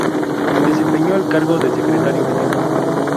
Desempeñó el cargo de Secretario Gral.